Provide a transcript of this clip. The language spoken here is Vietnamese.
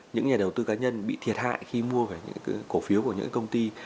những nhà đầu tư khá nhân bị thiệt hại khi mua cổ phiếu của những công ty